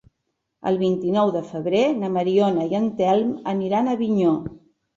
El vint-i-nou de febrer na Mariona i en Telm aniran a Avinyó.